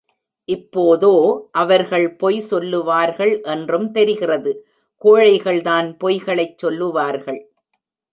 இப்போதோ அவர்கள் பொய் சொல்லுவார்கள் என்றும் தெரிகிறது. கோழைகள்தான் பொய்களைச் சொல்லுவார்கள்.